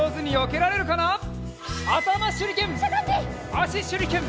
あししゅりけん！